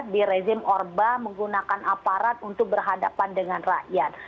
di rezim orba menggunakan aparat untuk berhadapan dengan rakyat